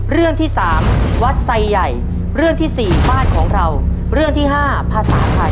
เรื่องที่สามวัดไซใหญ่เรื่องที่สี่บ้านของเราเรื่องที่ห้าภาษาไทย